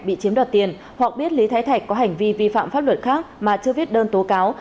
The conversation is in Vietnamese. bị chiếm đoạt tiền hoặc biết lý thái thạch có hành vi vi phạm pháp luật khác mà chưa viết đơn tố cáo